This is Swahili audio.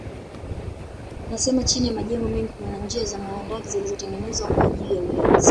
Anasema chini ya majengo mengi kuna njia za mahandaki zilizotengenezwa kwa ajili ya ulinzi